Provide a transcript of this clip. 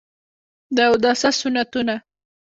د اوداسه سنتونه: